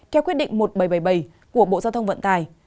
kéo quyết định một nghìn bảy trăm bảy mươi bảy của bộ giao thông vận tài